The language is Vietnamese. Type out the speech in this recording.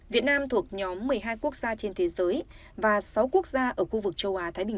việt nam thuộc nhóm một mươi hai quốc gia trên thế giới và sáu quốc gia ở khu vực châu á thái bình